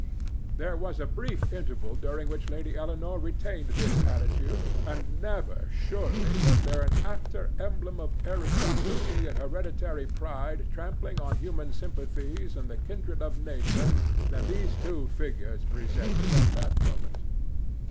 There was a brief interval during which Lady Eleanore retained this attitude, and never, surely, was there an apter emblem of aristocracy and hereditary pride trampling on human sympathies and the kindred of nature than these two figures presented at that moment.